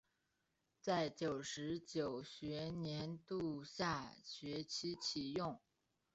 在九十九学年度下学期启用。